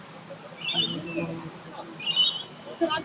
আমি জানি, তুমি মনে মনে সন্দেহ করিয়াছ, আমি বিনোদিনীকে ভালোবাসি।